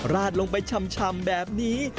ราดลงไปชำแบบนี้